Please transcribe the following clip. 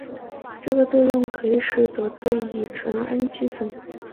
这个作用可以使得对乙酰氨基酚。